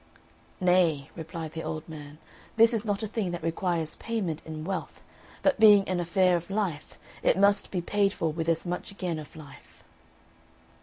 "Nay," replied the old man, "this is not a thing that requires payment in wealth; but being an affair of life, it must be paid for with as much again of life."